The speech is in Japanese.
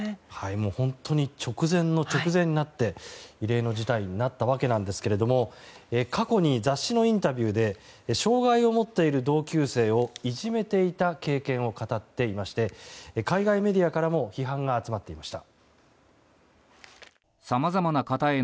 本当に直前の直前になって異例の事態になったわけなんですけれども過去に雑誌のインタビューで障害を持っている同級生をいじめていた経験を語っていまして海外メディアからも批判が集まっていました。